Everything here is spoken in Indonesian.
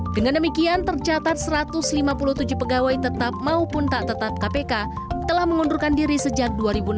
dengan demikian tercatat satu ratus lima puluh tujuh pegawai tetap maupun tak tetap kpk telah mengundurkan diri sejak dua ribu enam belas